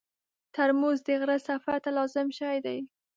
ترموز د غره سفر ته لازم شی دی.